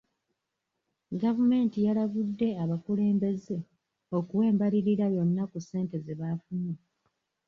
Gavumenti yalabudde abakulembeze okuwa embalirira yonna ku ssente ze baafunye.